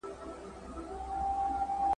ما لیدله د کور ټوله شیان په سترګو ,